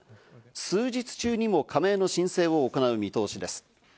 数日中にも加盟の申請を行う見通しです。